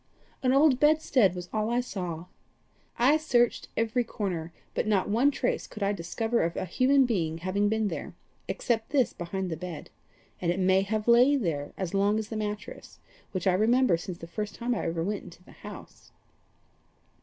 An old bedstead was all I saw. I searched every corner, but not one trace could I discover of human being having been there, except this behind the bed and it may have lain there as long as the mattress, which I remember since the first time I ever went into the house."